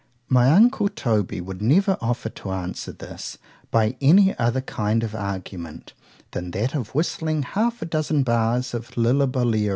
My uncle Toby would never offer to answer this by any other kind of argument, than that of whistling half a dozen bars of _Lillebullero.